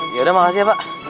ya udah makasih ya pak